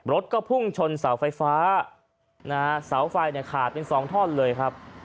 รถก็พุ่งชนสาวไฟฟ้าสาวไฟขาดเป็น๒ท่อนเลยครับ